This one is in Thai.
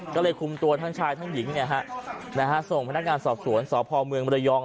ก็เลยคุมตัวทั้งชายทั้งหญิงเนี่ยฮะนะฮะส่งพนักงานสอบสวนสอบพอเมืองมรยอง